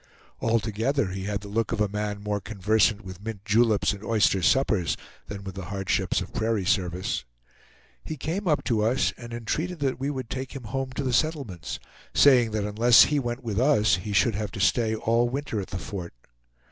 Altogether, he had the look of a man more conversant with mint juleps and oyster suppers than with the hardships of prairie service. He came up to us and entreated that we would take him home to the settlements, saying that unless he went with us he should have to stay all winter at the fort.